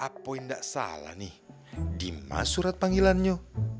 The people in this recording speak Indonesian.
apa enggak salah nih dima surat panggilan yuk